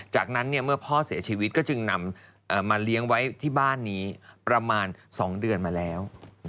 จากนั้นเมื่อพ่อเสียชีวิตก็จึงนำมาเลี้ยงไว้ที่บ้านนี้ประมาณ๒เดือนมาแล้ว